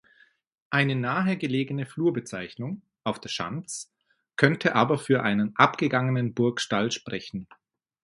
Eine nahe gelegene Flurbezeichnung „Auf der Schanz“ könnte aber für einen abgegangenen Burgstall sprechen.